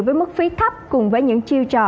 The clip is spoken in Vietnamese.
với mức phí thấp cùng với những chiêu trò